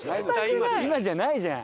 今じゃないじゃん。